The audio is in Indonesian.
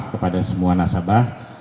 kepada semua nasabah